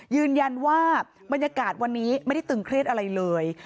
ยืนยันว่าบรรยากาศวันนี้ไม่ได้ตึงเครียดอะไรเลย